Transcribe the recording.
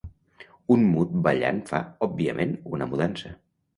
Un mut ballant fa, òbviament, una mudança.